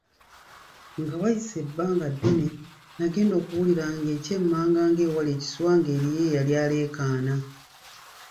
Nga wayise ebbanga ddene nagenda okuwulira ng’ekyemmanga ng’ewali ekiswa ng’eriyo eyali alekaana.